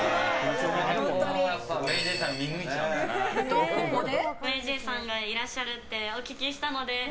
と、ここで。